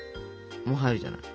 もう入るじゃない。